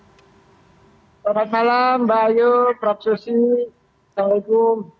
selamat malam mbak ayu prof susi assalamualaikum